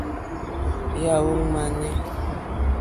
Yàɔ́ !ŋmánɛ́.